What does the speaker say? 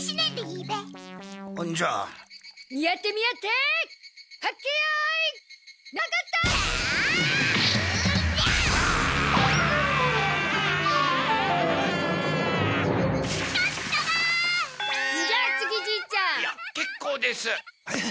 いや結構です。